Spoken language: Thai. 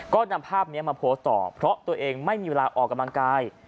ก็นำภาพนี้มาโพสต์ต่อเพราะตัวเองไม่มีเวลาออกกำลังกาย